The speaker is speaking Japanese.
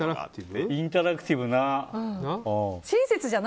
インタラクティブな。